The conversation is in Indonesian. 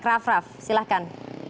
raff raff silahkan